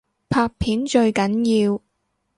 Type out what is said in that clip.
拍片最緊要